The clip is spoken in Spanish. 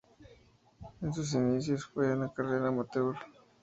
En sus inicios fue una carrera amateur.